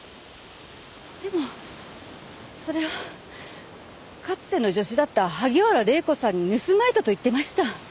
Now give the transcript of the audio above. でもそれをかつての助手だった萩原礼子さんに盗まれたと言ってました。